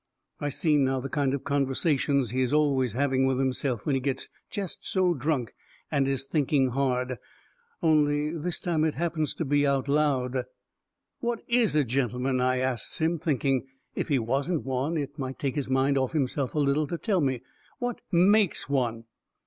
I seen now the kind of conversations he is always having with himself when he gets jest so drunk and is thinking hard. Only this time it happens to be out loud. "What is a gentleman?" I asts him, thinking if he wasn't one it might take his mind off himself a little to tell me. "What MAKES one?"